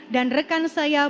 dan rekan saya